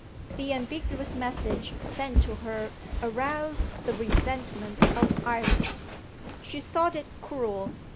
The ambiguous message sent to her aroused the resentment of Iris; she thought it cruel.